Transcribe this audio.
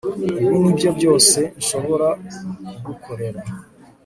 Ibi nibyo byose nshobora kugukorera